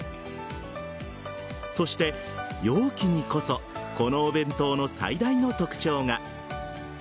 そして、容器にこそこのお弁当の最大の特徴が。